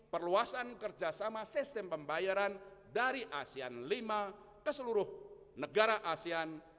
perluasan kerjasama sistem pembayaran dari asean v ke seluruh negara asean